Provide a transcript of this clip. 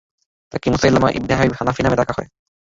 তাকে Musaylimah ibn Habib Hanafi নামে ডাকা হয়।